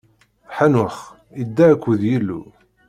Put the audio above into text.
Ḥanux idda akked Yillu.